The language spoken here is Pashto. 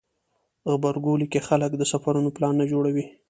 غبرګولی کې خلک د سفرونو پلانونه جوړوي.